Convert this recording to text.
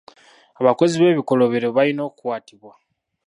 Abakozi b'ebikolobero balina okukwatibwa.